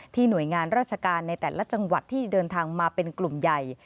หน่วยงานราชการในแต่ละจังหวัดที่เดินทางมาเป็นกลุ่มใหญ่